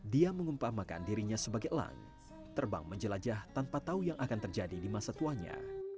dia mengumpamakan dirinya sebagai elang terbang menjelajah tanpa tahu yang akan terjadi di masa tuanya